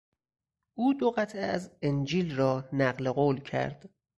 او دو قطعه از انجیل را نقل قول کرد.